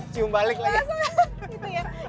cium balik lagi